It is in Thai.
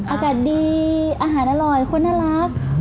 อากาศดีอาหารอร่อยคนน่ารัก